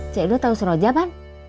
cik edo tau sroja pan